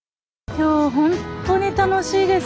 今日本当に楽しいです。